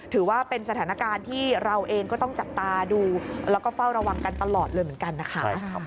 ถือว่าเป็นสถานการณ์ที่เราเองก็ต้องจับตาดูแล้วก็เฝ้าระวังกันตลอดเลยเหมือนกันนะคะ